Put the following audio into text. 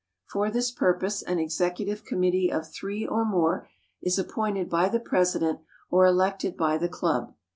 For this purpose an executive committee of three or more is appointed by the president or elected by the club.